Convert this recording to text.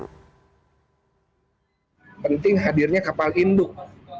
yang penting hadirnya kapal induk